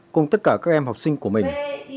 cùng tất cả các em học sinh của mình